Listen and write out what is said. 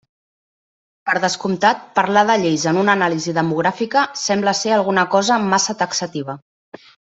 Per descomptat, parlar de lleis en una anàlisi demogràfica sembla ser alguna cosa massa taxativa.